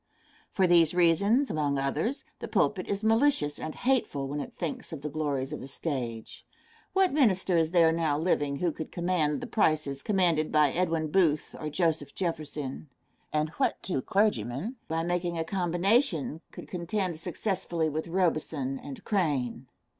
For these reasons, among others, the pulpit is malicious and hateful when it thinks of the glories of the stage. What minister is there now living who could command the prices commanded by Edwin Booth or Joseph Jefferson; and what two clergymen, by making a combination, could contend successfully with Robson and Crane?